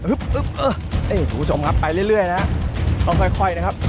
คุณผู้ชมครับไปเรื่อยนะต้องค่อยนะครับ